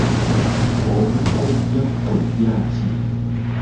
Ow’e Kkojja Kojja ki?